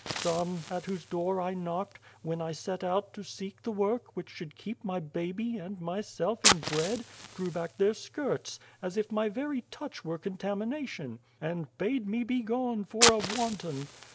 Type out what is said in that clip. Some, at whose door I knocked when I set out to seek the work which should keep my baby and myself in bread drew back their skirts, as if my very touch were contamination, and bade me be gone, for a wanton.